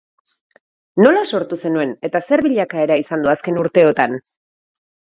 Nola sortu zenuen eta zer bilakaera izan du azken urteotan?